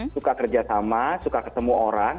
suka kerja sama suka ketemu orang